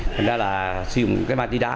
thành ra là sử dụng cái ma túy đá